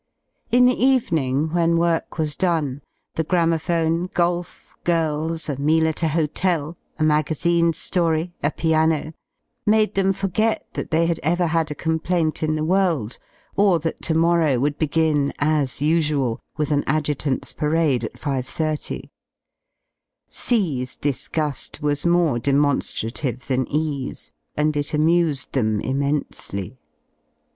In the evening when work was done, the gramophone, ^ golf, girls, a meal at a hotel, a magazine ^ory, a piano, / made them forget that they had ever had a complaint in j the world, or that to morrow would begin, as usual, with Ly^^^^ an Adjutant's parade at 5.30. C 's disgu^ was more ^/• demon^rative than E 's, and it amused them immensely.